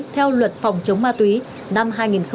theo luật phòng chống ma túy năm hai nghìn hai mươi một